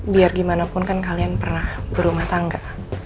biar gimana pun kan kalian pernah berumah tangga